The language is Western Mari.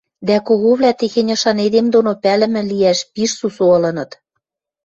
Дӓ коговлӓ техень ышан эдем доно пӓлӹмӹ лиӓш пиш сусу ылыныт.